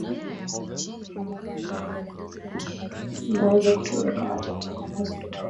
utile mu societe mama eko anaweza kutumika ata ku hospital